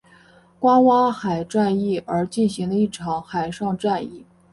爪哇海战役而进行的一场海上战役。